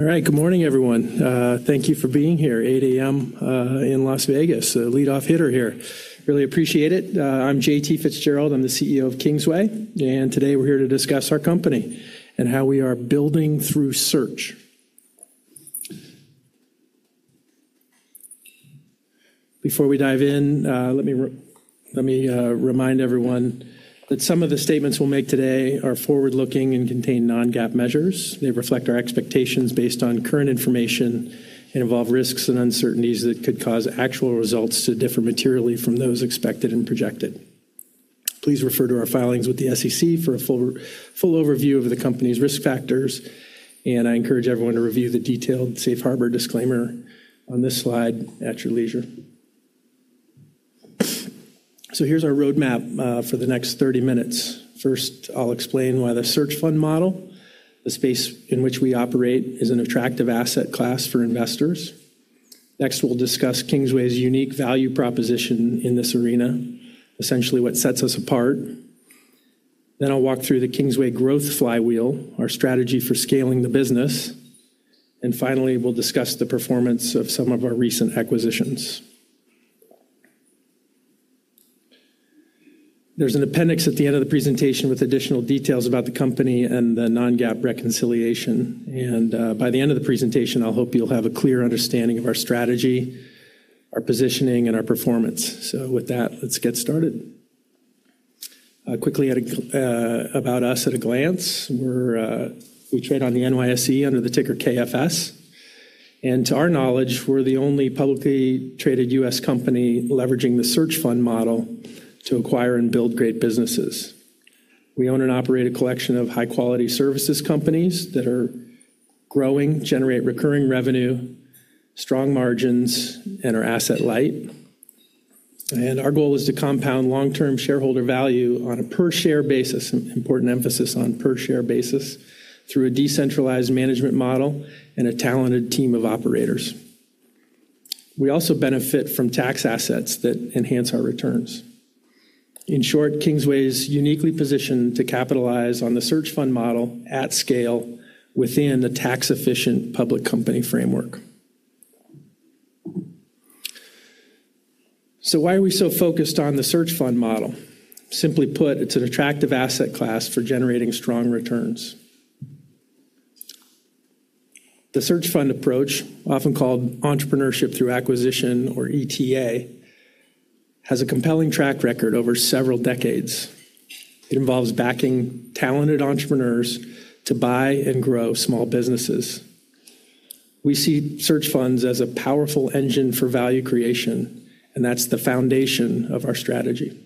All right, good morning, everyone. Thank you for being here, 8:00 A.M. in Las Vegas. A lead-off hitter here. Really appreciate it. I'm J.T. Fitzgerald, I'm the CEO of Kingsway, and today we're here to discuss our company and how we are building through search. Before we dive in, let me remind everyone that some of the statements we'll make today are forward-looking and contain non-GAAP measures. They reflect our expectations based on current information and involve risks and uncertainties that could cause actual results to differ materially from those expected and projected. Please refer to our filings with the SEC for a full overview of the company's risk factors, and I encourage everyone to review the detailed Safe Harbor disclaimer on this slide at your leisure. Here's our roadmap for the next 30 minutes. First, I'll explain why the search fund model, the space in which we operate, is an attractive asset class for investors. Next, we'll discuss Kingsway's unique value proposition in this arena, essentially what sets us apart. Then I'll walk through the Kingsway growth flywheel, our strategy for scaling the business, and finally, we'll discuss the performance of some of our recent acquisitions. There's an appendix at the end of the presentation with additional details about the company and the non-GAAP reconciliation, and by the end of the presentation, I hope you'll have a clear understanding of our strategy, our positioning, and our performance. Let's get started. Quickly about us at a glance, we trade on the NYSE under the ticker KFS, and to our knowledge, we're the only publicly traded U.S. company leveraging the search fund model to acquire and build great businesses. We own and operate a collection of high-quality services companies that are growing, generate recurring revenue, strong margins, and are asset-light. Our goal is to compound long-term shareholder value on a per-share basis, important emphasis on per-share basis, through a decentralized management model and a talented team of operators. We also benefit from tax assets that enhance our returns. In short, Kingsway is uniquely positioned to capitalize on the search fund model at scale within a tax-efficient public company framework. Why are we so focused on the search fund model? Simply put, it is an attractive asset class for generating strong returns. The search fund approach, often called Entrepreneurship Through Acquisition or ETA, has a compelling track record over several decades. It involves backing talented entrepreneurs to buy and grow small businesses. We see search funds as a powerful engine for value creation, and that's the foundation of our strategy.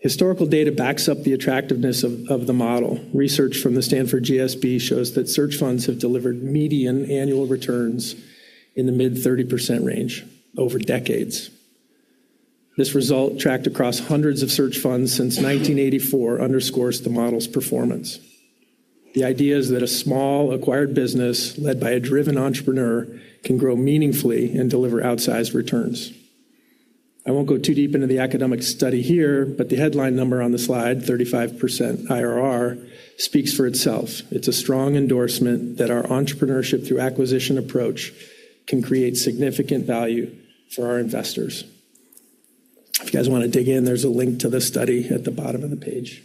Historical data backs up the attractiveness of the model. Research from the Stanford GSB shows that search funds have delivered median annual returns in the mid-30% range over decades. This result, tracked across hundreds of search funds since 1984, underscores the model's performance. The idea is that a small acquired business led by a driven entrepreneur can grow meaningfully and deliver outsized returns. I won't go too deep into the academic study here, but the headline number on the slide, 35% IRR, speaks for itself. It's a strong endorsement that our entrepreneurship through acquisition approach can create significant value for our investors. If you guys want to dig in, there's a link to the study at the bottom of the page.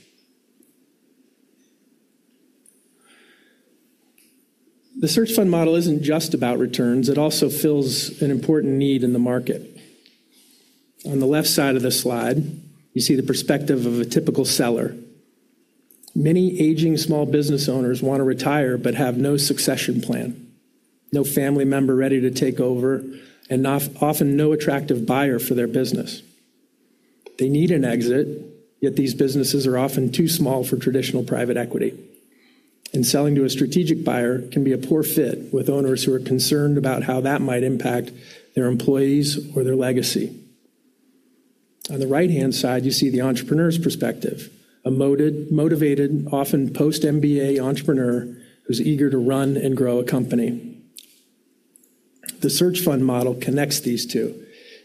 The search fund model isn't just about returns; it also fills an important need in the market. On the left side of the slide, you see the perspective of a typical seller. Many aging small business owners want to retire but have no succession plan, no family member ready to take over, and often no attractive buyer for their business. They need an exit, yet these businesses are often too small for traditional private equity, and selling to a strategic buyer can be a poor fit with owners who are concerned about how that might impact their employees or their legacy. On the right-hand side, you see the entrepreneur's perspective, a motivated, often post-MBA entrepreneur who's eager to run and grow a company. The search fund model connects these two.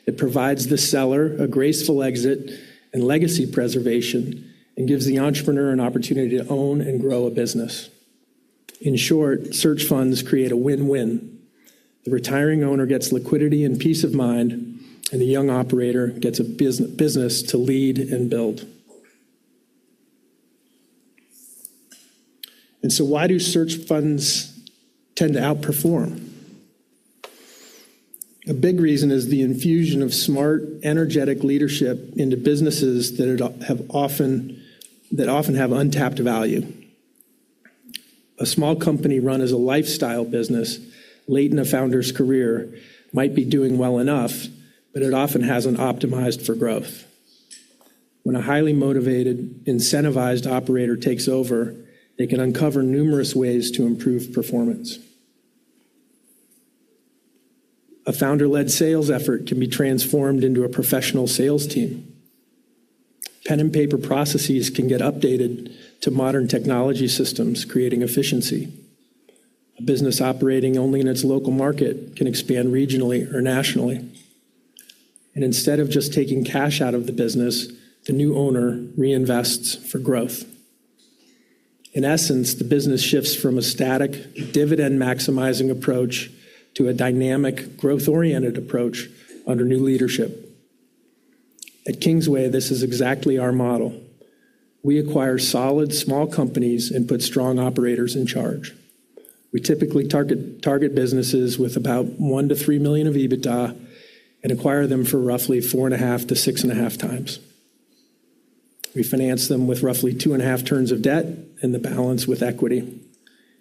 It provides the seller a graceful exit and legacy preservation and gives the entrepreneur an opportunity to own and grow a business. In short, search funds create a win-win. The retiring owner gets liquidity and peace of mind, and the young operator gets a business to lead and build. Why do search funds tend to outperform? A big reason is the infusion of smart, energetic leadership into businesses that often have untapped value. A small company run as a lifestyle business late in a founder's career might be doing well enough, but it often has not optimized for growth. When a highly motivated, incentivized operator takes over, they can uncover numerous ways to improve performance. A founder-led sales effort can be transformed into a professional sales team. Pen and paper processes can get updated to modern technology systems, creating efficiency. A business operating only in its local market can expand regionally or nationally. Instead of just taking cash out of the business, the new owner reinvests for growth. In essence, the business shifts from a static, dividend-maximizing approach to a dynamic, growth-oriented approach under new leadership. At Kingsway, this is exactly our model. We acquire solid small companies and put strong operators in charge. We typically target businesses with about $1 million-$3 million of EBITDA and acquire them for roughly 4.5 times-6.5 times. We finance them with roughly 2.5 turns of debt and the balance with equity,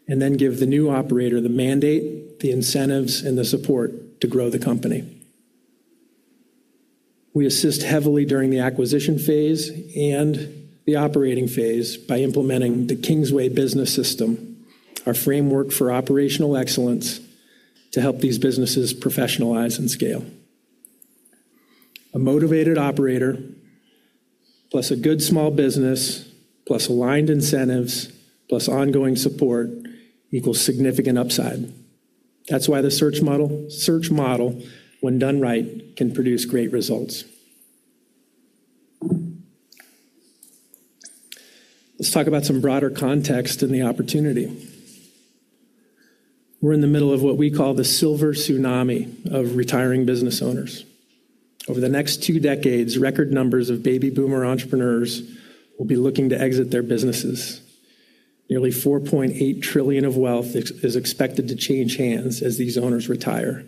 and then give the new operator the mandate, the incentives, and the support to grow the company. We assist heavily during the acquisition phase and the operating phase by implementing the Kingsway Business System, our framework for operational excellence, to help these businesses professionalize and scale. A motivated operator, plus a good small business, plus aligned incentives, plus ongoing support, equals significant upside. That's why the search model, when done right, can produce great results. Let's talk about some broader context and the opportunity. We're in the middle of what we call the silver tsunami of retiring business owners. Over the next two decades, record numbers of baby boomer entrepreneurs will be looking to exit their businesses. Nearly $4.8 trillion of wealth is expected to change hands as these owners retire,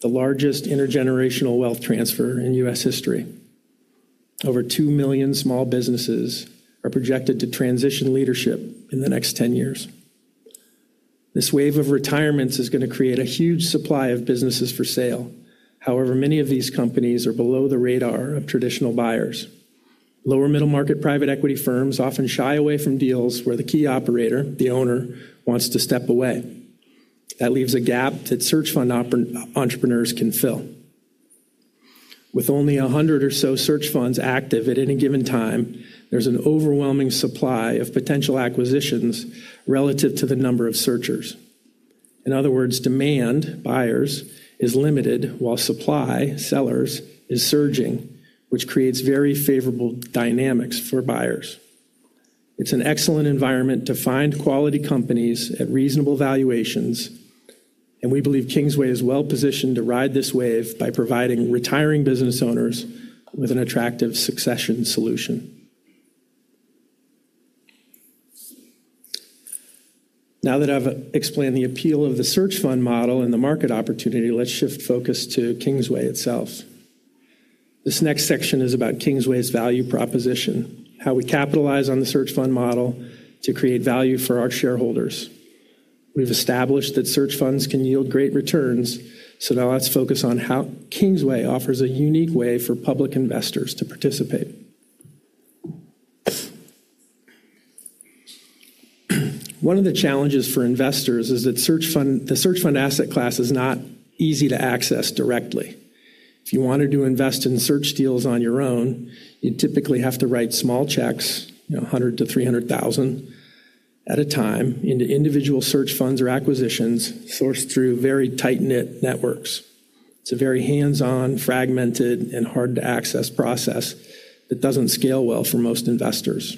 the largest intergenerational wealth transfer in U.S. history. Over 2 million small businesses are projected to transition leadership in the next 10 years. This wave of retirements is going to create a huge supply of businesses for sale. However, many of these companies are below the radar of traditional buyers. Lower-middle-market private equity firms often shy away from deals where the key operator, the owner, wants to step away. That leaves a gap that search fund entrepreneurs can fill. With only 100 or so search funds active at any given time, there's an overwhelming supply of potential acquisitions relative to the number of searchers. In other words, demand, buyers, is limited while supply, sellers, is surging, which creates very favorable dynamics for buyers. It's an excellent environment to find quality companies at reasonable valuations, and we believe Kingsway is well positioned to ride this wave by providing retiring business owners with an attractive succession solution. Now that I've explained the appeal of the search fund model and the market opportunity, let's shift focus to Kingsway itself. This next section is about Kingsway's value proposition, how we capitalize on the search fund model to create value for our shareholders. We've established that search funds can yield great returns, so now let's focus on how Kingsway offers a unique way for public investors to participate. One of the challenges for investors is that the search fund asset class is not easy to access directly. If you wanted to invest in search deals on your own, you'd typically have to write small checks, $100,000 to $300,000 at a time, into individual search funds or acquisitions sourced through very tight-knit networks. It's a very hands-on, fragmented, and hard-to-access process that doesn't scale well for most investors.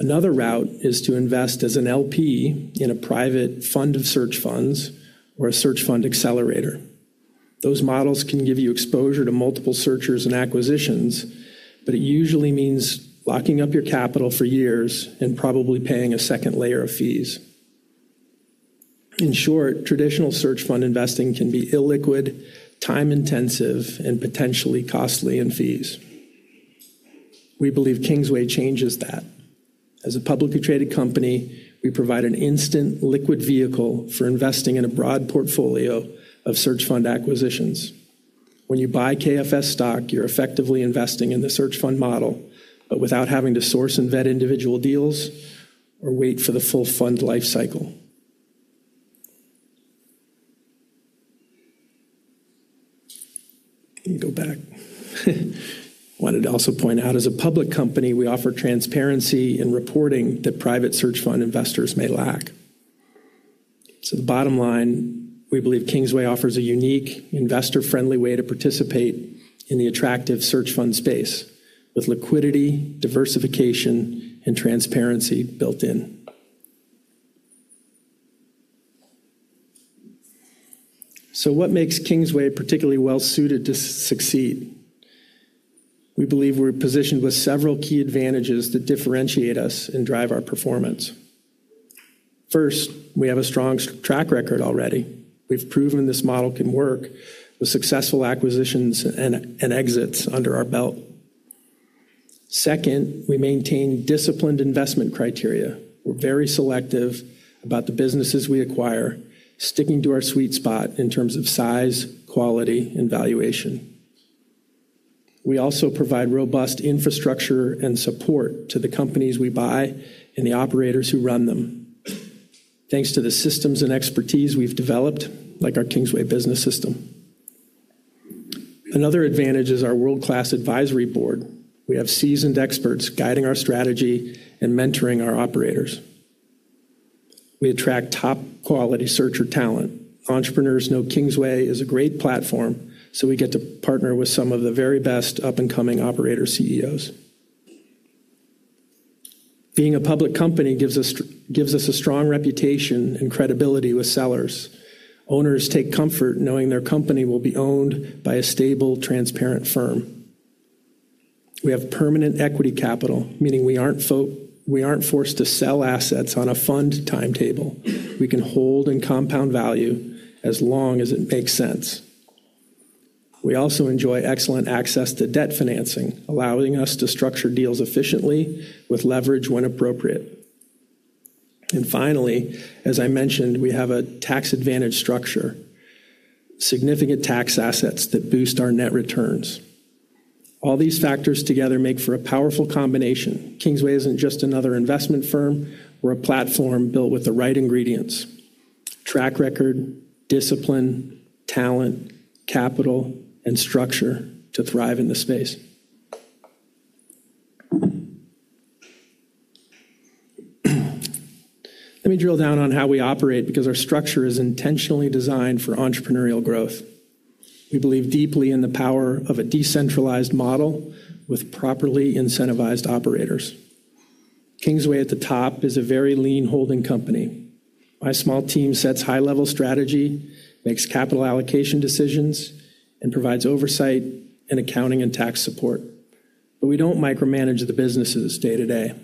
Another route is to invest as an LP in a private fund of search funds or a search fund accelerator. Those models can give you exposure to multiple searchers and acquisitions, but it usually means locking up your capital for years and probably paying a second layer of fees. In short, traditional search fund investing can be illiquid, time-intensive, and potentially costly in fees. We believe Kingsway changes that. As a publicly traded company, we provide an instant liquid vehicle for investing in a broad portfolio of search fund acquisitions. When you buy KFS stock, you're effectively investing in the search fund model but without having to source and vet individual deals or wait for the full fund lifecycle. Let me go back. I wanted to also point out, as a public company, we offer transparency in reporting that private search fund investors may lack. The bottom line, we believe Kingsway offers a unique, investor-friendly way to participate in the attractive search fund space with liquidity, diversification, and transparency built in. What makes Kingsway particularly well-suited to succeed? We believe we're positioned with several key advantages that differentiate us and drive our performance. First, we have a strong track record already. We've proven this model can work with successful acquisitions and exits under our belt. Second, we maintain disciplined investment criteria. We're very selective about the businesses we acquire, sticking to our sweet spot in terms of size, quality, and valuation. We also provide robust infrastructure and support to the companies we buy and the operators who run them, thanks to the systems and expertise we've developed, like our Kingsway Business System. Another advantage is our world-class advisory board. We have seasoned experts guiding our strategy and mentoring our operators. We attract top-quality searcher talent. Entrepreneurs know Kingsway is a great platform, so we get to partner with some of the very best up-and-coming operator CEOs. Being a public company gives us a strong reputation and credibility with sellers. Owners take comfort knowing their company will be owned by a stable, transparent firm. We have permanent equity capital, meaning we aren't forced to sell assets on a fund timetable. We can hold and compound value as long as it makes sense. We also enjoy excellent access to debt financing, allowing us to structure deals efficiently with leverage when appropriate. Finally, as I mentioned, we have a tax-advantaged structure, significant tax assets that boost our net returns. All these factors together make for a powerful combination. Kingsway isn't just another investment firm. We're a platform built with the right ingredients: track record, discipline, talent, capital, and structure to thrive in the space. Let me drill down on how we operate because our structure is intentionally designed for entrepreneurial growth. We believe deeply in the power of a decentralized model with properly incentivized operators. Kingsway at the top is a very lean holding company. My small team sets high-level strategy, makes capital allocation decisions, and provides oversight and accounting and tax support. We do not micromanage the businesses day to day.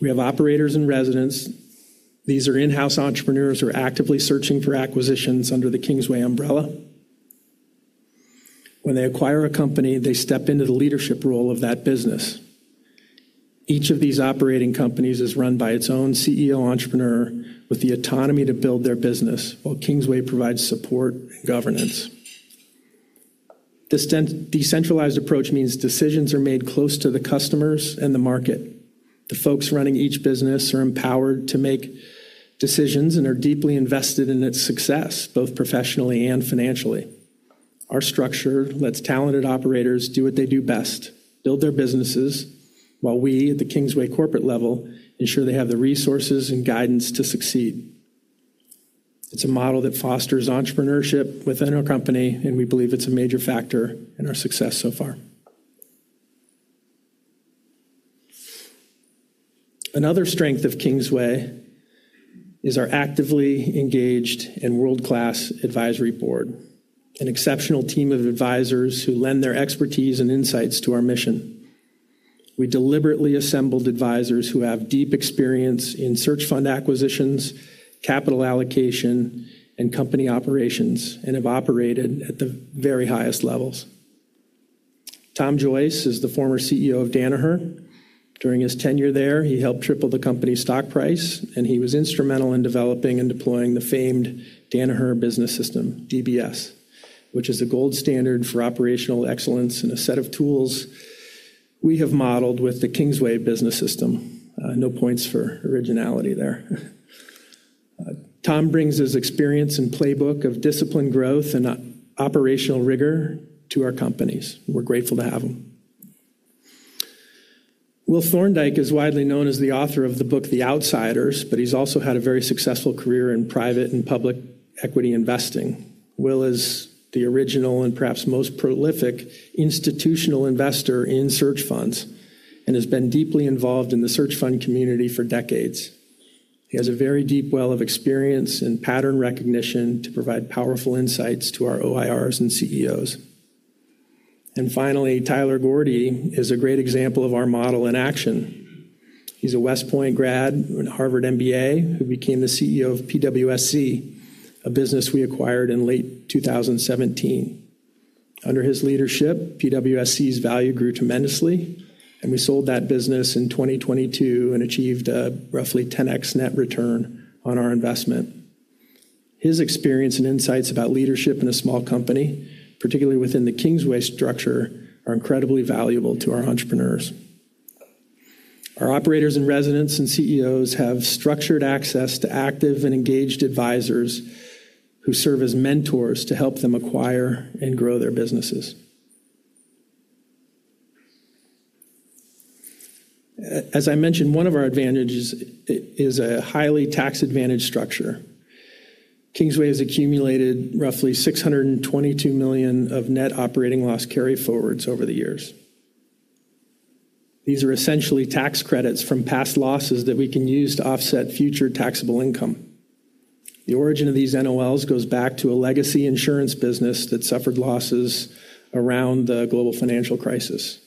We have operators in residence. These are in-house entrepreneurs who are actively searching for acquisitions under the Kingsway umbrella. When they acquire a company, they step into the leadership role of that business. Each of these operating companies is run by its own CEO entrepreneur with the autonomy to build their business, while Kingsway provides support and governance. This decentralized approach means decisions are made close to the customers and the market. The folks running each business are empowered to make decisions and are deeply invested in its success, both professionally and financially. Our structure lets talented operators do what they do best, build their businesses, while we at the Kingsway corporate level ensure they have the resources and guidance to succeed. It's a model that fosters entrepreneurship within our company, and we believe it's a major factor in our success so far. Another strength of Kingsway is our actively engaged and world-class advisory board, an exceptional team of advisors who lend their expertise and insights to our mission. We deliberately assembled advisors who have deep experience in search fund acquisitions, capital allocation, and company operations, and have operated at the very highest levels. Tom Joyce is the former CEO of Danaher. During his tenure there, he helped triple the company's stock price, and he was instrumental in developing and deploying the famed Danaher Business System, DBS, which is a gold standard for operational excellence and a set of tools we have modeled with the Kingsway Business System. No points for originality there. Tom brings his experience and playbook of disciplined growth and operational rigor to our companies. We're grateful to have him. Will Thorndike is widely known as the author of the book The Outsiders, but he's also had a very successful career in private and public equity investing. Will is the original and perhaps most prolific institutional investor in search funds and has been deeply involved in the search fund community for decades. He has a very deep well of experience and pattern recognition to provide powerful insights to our OIRs and CEOs. Finally, Tyler Gordy is a great example of our model in action. He's a West Point grad and Harvard MBA who became the CEO of PWSC, a business we acquired in late 2017. Under his leadership, PWSC's value grew tremendously, and we sold that business in 2022 and achieved a roughly 10x net return on our investment. His experience and insights about leadership in a small company, particularly within the Kingsway structure, are incredibly valuable to our entrepreneurs. Our Operators in Residence and CEOs have structured access to active and engaged advisors who serve as mentors to help them acquire and grow their businesses. As I mentioned, one of our advantages is a highly tax-advantaged structure. Kingsway has accumulated roughly $622 million of net operating loss carry forwards over the years. These are essentially tax credits from past losses that we can use to offset future taxable income. The origin of these NOLs goes back to a legacy insurance business that suffered losses around the global financial crisis.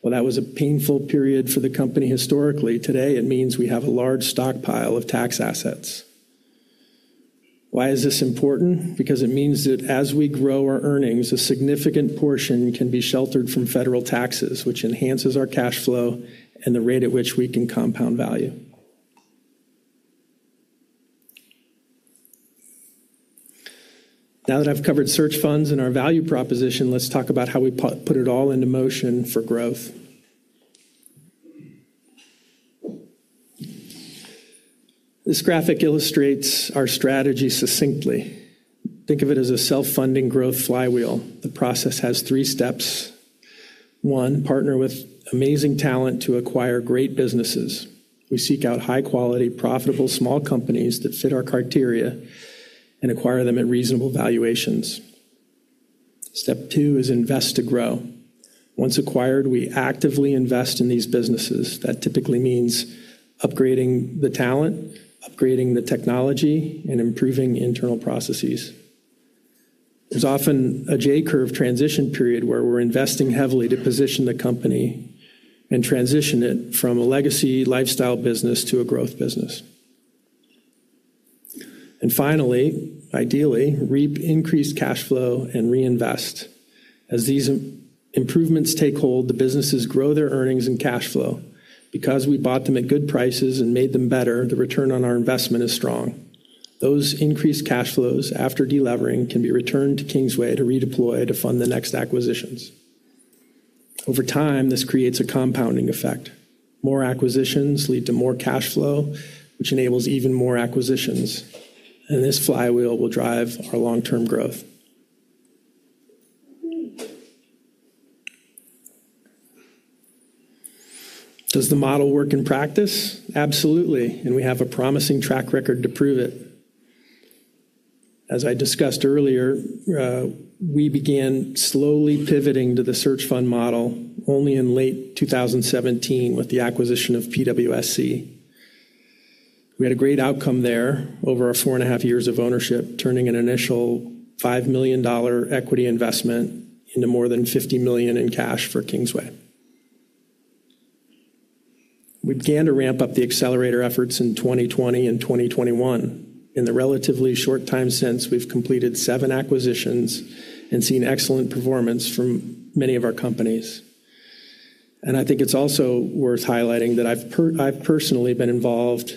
While that was a painful period for the company historically, today it means we have a large stockpile of tax assets. Why is this important? Because it means that as we grow our earnings, a significant portion can be sheltered from federal taxes, which enhances our cash flow and the rate at which we can compound value. Now that I've covered search funds and our value proposition, let's talk about how we put it all into motion for growth. This graphic illustrates our strategy succinctly. Think of it as a self-funding growth flywheel. The process has three steps. One, partner with amazing talent to acquire great businesses. We seek out high-quality, profitable small companies that fit our criteria and acquire them at reasonable valuations. Step two is invest to grow. Once acquired, we actively invest in these businesses. That typically means upgrading the talent, upgrading the technology, and improving internal processes. There's often a J-curve transition period where we're investing heavily to position the company and transition it from a legacy lifestyle business to a growth business. Finally, ideally, reap increased cash flow and reinvest. As these improvements take hold, the businesses grow their earnings and cash flow. Because we bought them at good prices and made them better, the return on our investment is strong. Those increased cash flows after delevering can be returned to Kingsway to redeploy to fund the next acquisitions. Over time, this creates a compounding effect. More acquisitions lead to more cash flow, which enables even more acquisitions. This flywheel will drive our long-term growth. Does the model work in practice? Absolutely. We have a promising track record to prove it. As I discussed earlier, we began slowly pivoting to the search fund model only in late 2017 with the acquisition of PWSC. We had a great outcome there over our four and a half years of ownership, turning an initial $5 million equity investment into more than $50 million in cash for Kingsway. We began to ramp up the accelerator efforts in 2020 and 2021. In the relatively short time since, we've completed seven acquisitions and seen excellent performance from many of our companies. I think it's also worth highlighting that I've personally been involved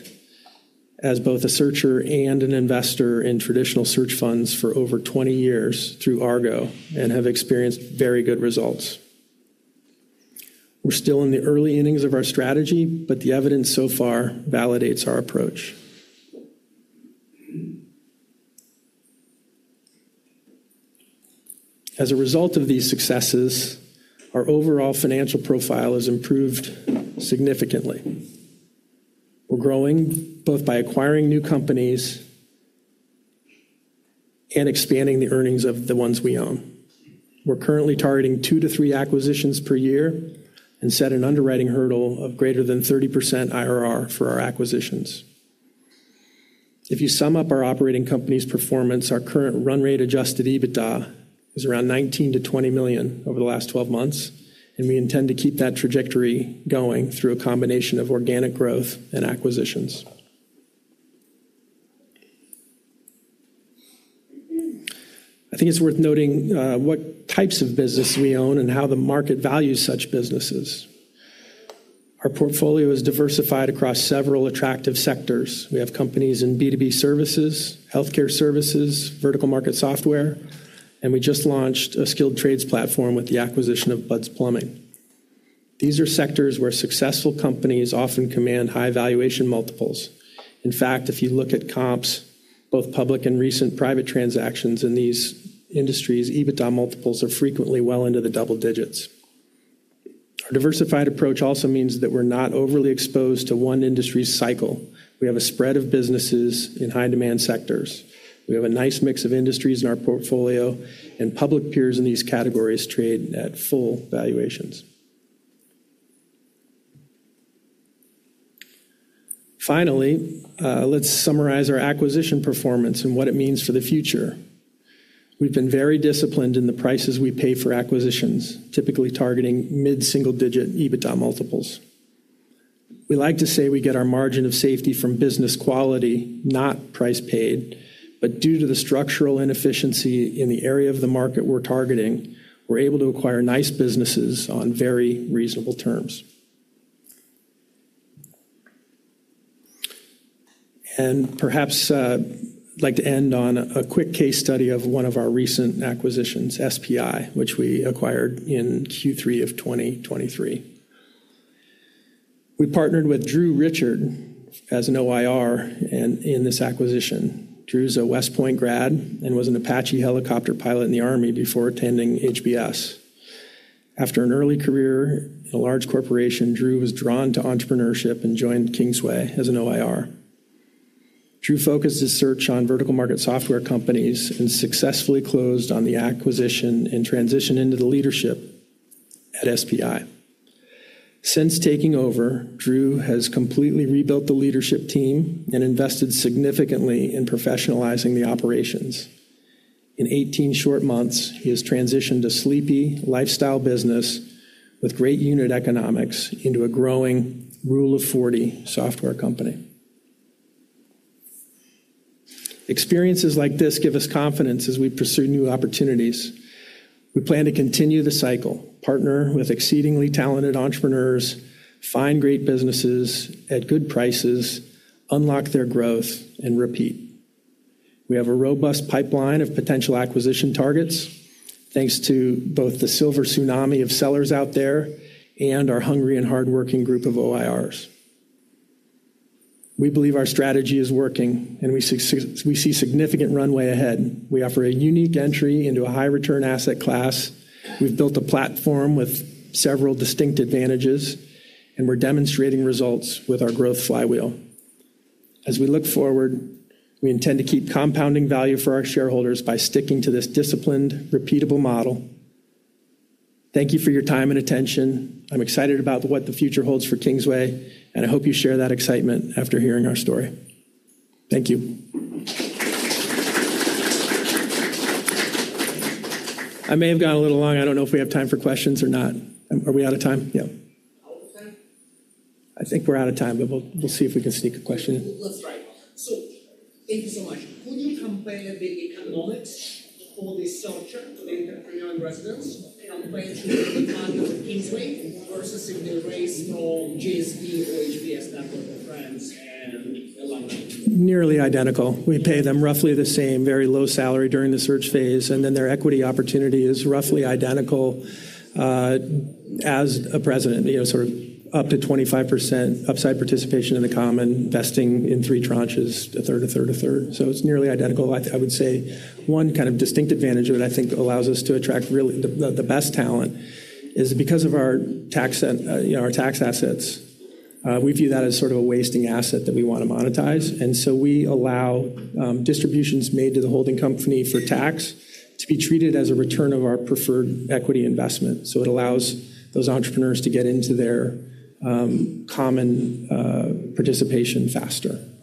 as both a searcher and an investor in traditional search funds for over 20 years through Argo and have experienced very good results. We're still in the early innings of our strategy, but the evidence so far validates our approach. As a result of these successes, our overall financial profile has improved significantly. We're growing both by acquiring new companies and expanding the earnings of the ones we own. We're currently targeting two to three acquisitions per year and set an underwriting hurdle of greater than 30% IRR for our acquisitions. If you sum up our operating company's performance, our current run-rate adjusted EBITDA is around $19 million-$20 million over the last 12 months, and we intend to keep that trajectory going through a combination of organic growth and acquisitions. I think it's worth noting what types of business we own and how the market values such businesses. Our portfolio is diversified across several attractive sectors. We have companies in B2B services, healthcare services, vertical market software, and we just launched a skilled trades platform with the acquisition of Bud's Plumbing. These are sectors where successful companies often command high valuation multiples. In fact, if you look at comps, both public and recent private transactions in these industries, EBITDA multiples are frequently well into the double digits. Our diversified approach also means that we're not overly exposed to one industry's cycle. We have a spread of businesses in high-demand sectors. We have a nice mix of industries in our portfolio, and public peers in these categories trade at full valuations. Finally, let's summarize our acquisition performance and what it means for the future. We've been very disciplined in the prices we pay for acquisitions, typically targeting mid-single-digit EBITDA multiples. We like to say we get our margin of safety from business quality, not price paid. Due to the structural inefficiency in the area of the market we're targeting, we're able to acquire nice businesses on very reasonable terms. Perhaps I'd like to end on a quick case study of one of our recent acquisitions, SPI, which we acquired in Q3 of 2023. We partnered with Drew Richard as an OIR in this acquisition. Drew's a West Point grad and was an Apache helicopter pilot in the Army before attending HBS. After an early career in a large corporation, Drew was drawn to entrepreneurship and joined Kingsway as an OIR. Drew focused his search on vertical market software companies and successfully closed on the acquisition and transitioned into the leadership at SPI. Since taking over, Drew has completely rebuilt the leadership team and invested significantly in professionalizing the operations. In 18 short months, he has transitioned a sleepy lifestyle business with great unit economics into a growing Rule of 40 software company. Experiences like this give us confidence as we pursue new opportunities. We plan to continue the cycle, partner with exceedingly talented entrepreneurs, find great businesses at good prices, unlock their growth, and repeat. We have a robust pipeline of potential acquisition targets, thanks to both the silver tsunami of sellers out there and our hungry and hardworking group of OIRs. We believe our strategy is working, and we see significant runway ahead. We offer a unique entry into a high-return asset class. We've built a platform with several distinct advantages, and we're demonstrating results with our growth flywheel. As we look forward, we intend to keep compounding value for our shareholders by sticking to this disciplined, repeatable model. Thank you for your time and attention. I'm excited about what the future holds for Kingsway, and I hope you share that excitement after hearing our story. Thank you. I may have gone a little long. I don't know if we have time for questions or not. Are we out of time? Yeah. Out of time? I think we're out of time, but we'll see if we can sneak a question. That's right. Thank you so much. Could you compare the economics for the searcher and the entrepreneur in residence compared to the market for Kingsway versus if they raised for GSB or HBS, that were the friends and alumni? Nearly identical. We pay them roughly the same, very low salary during the search phase, and then their equity opportunity is roughly identical as a president, sort of up to 25% upside participation in the common vesting in three tranches, a third, a third, a third. It's nearly identical. I would say one kind of distinct advantage of it, I think, allows us to attract really the best talent is because of our tax assets. We view that as sort of a wasting asset that we want to monetize. We allow distributions made to the holding company for tax to be treated as a return of our preferred equity investment. It allows those entrepreneurs to get into their common participation faster. We can take additional questions in the hallway. I know the next notification is.